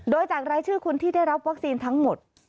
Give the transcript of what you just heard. โดยจากรายชื่อคนที่ได้รับวัคซีนทั้งหมด